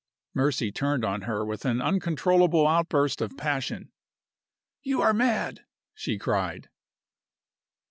Mercy turned on her with an uncontrollable outburst of passion. "You are mad!" she cried.